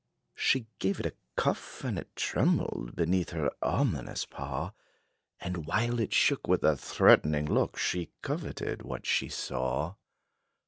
She gave it a cuff, and it trembled Beneath her ominous paw; And while it shook, with a threatening look She coveted what she saw.